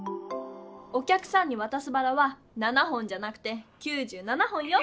おきゃくさんにわたすバラは７本じゃなくて９７本よ！